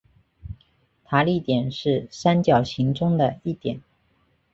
塔里点是三角形中的一点。